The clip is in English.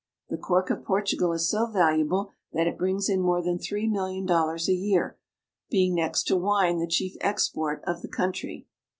The cork of Portugal is so valuable that it brings in more than three million dollars a year, being next to wine the chief export of the country.